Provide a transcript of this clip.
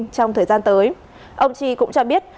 trong thời gian tới ông chi cũng cho biết